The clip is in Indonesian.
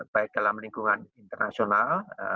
baik dalam lingkungan internasional